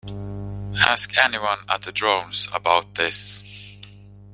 Ask anyone at the Drones about this.